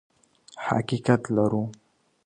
حقیقت لرو.